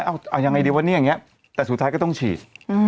เอายังไงดีวะเนี่ยอย่างนี้แต่สุดท้ายก็ต้องฉีด